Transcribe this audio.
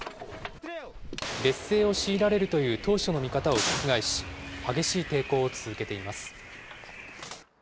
劣勢を強いられるという当初の見方を覆し、激しい抵抗を続けています。